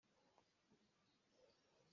Na mit au tuah.